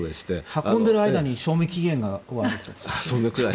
運んでいる間に賞味期限が終わるという。